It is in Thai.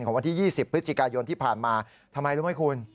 วันที่๒๐พฤศจิกายนที่ผ่านมาทำไมรู้ไหมคุณ